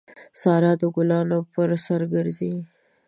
سارا د ګلانو پر سر ګرځي.